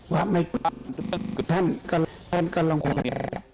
ว่าไม่ปลอดภัยท่านก็ลงไป